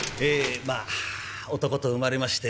まあ男と生まれまして